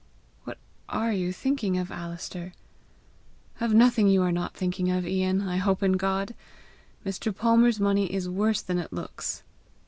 "What ARE you thinking of, Alister?" "Of nothing you are not thinking of, Ian, I hope in God! Mr. Palmer's money is worse than it looks."